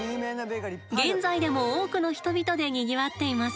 現在でも多くの人々でにぎわっています。